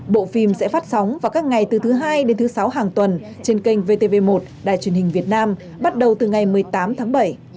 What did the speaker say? bộ phim sẽ phát sóng vào các ngày từ thứ hai đến thứ sáu hàng tuần trên kênh vtv một đài truyền hình việt nam bắt đầu từ ngày một mươi tám tháng bảy